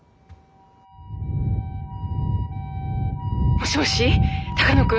もしもし鷹野君？